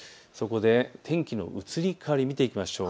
天気の移り変わりを見ていきましょう。